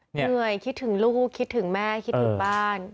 เหนื่อยคิดถึงลูกคิดถึงแม่คิดถึงบ้าน